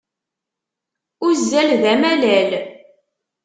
Uzzal d amalal.